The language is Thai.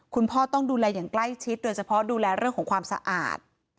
คุณพ่อต้องดูแลอย่างใกล้ชิดโดยเฉพาะดูแลเรื่องของความสะอาด